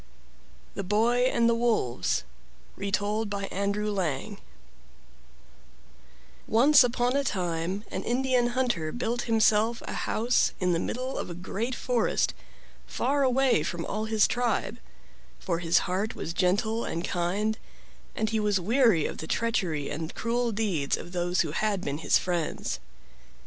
THE BOY AND THE WOLVES Retold by Andrew Lang Once upon a time an Indian hunter built himself a house in the middle of a great forest, far away from all his tribe; for his heart was gentle and kind and he was weary of the treachery and cruel deeds of those who had been his friends.